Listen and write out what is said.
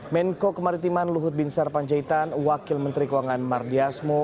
menko kemaritiman luhut binsar panjaitan wakil menteri keuangan mar diasmo